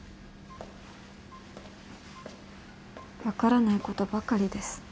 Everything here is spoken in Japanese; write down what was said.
わからないことばかりです。